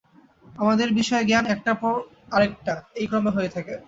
আমাদের বিষয়-জ্ঞান একটার পর আর একটা, এই ক্রমে হয়ে থাকে।